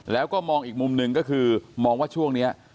แล้วก็มองอีกมุมหนึ่งก็คือมองว่าช่วงนี้